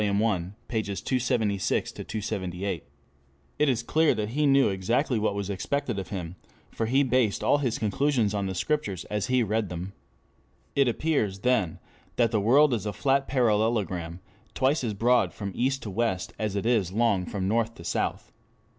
I, pp. 276 8.] It is clear that he knew exactly what was expected of him, for he based all his conclusions on the Scriptures as he read them. It appears, then, that the world is a flat parallelogram, twice as broad from east to west as it is long from north to south.